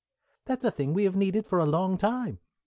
"That's a thing we have needed for a long time.